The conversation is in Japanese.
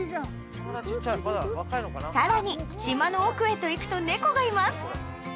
さらに島の奥へと行くと猫がいます